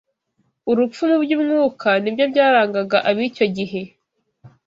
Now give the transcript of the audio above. urupfu mu by’umwuka ni byo byarangaga ab’icyo gihe.